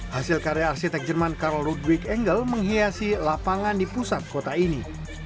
hasil karya arsitek jerman karl ludwig engel menghiasi lapangan di pusat kota ini